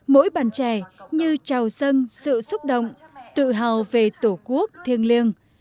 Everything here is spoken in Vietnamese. mỗi bàn trẻ như trào sân sự xúc động tự hào về tổ quốc thiêng liêng